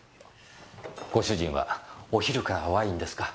ご主人はお昼からワインですか？